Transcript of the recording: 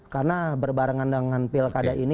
karena berbarengan dengan pilkada ini